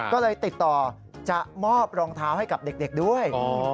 ก็เลยติดต่อจะมอบรองเท้าให้กับเด็กด้วย